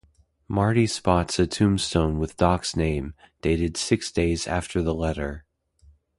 Marty spots a tombstone with Doc's name, dated six days after the letter.